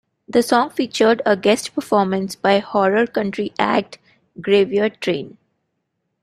The song featured a guest performance by horror-country act, Graveyard Train.